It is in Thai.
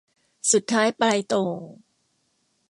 สุดท้ายปลายโต่ง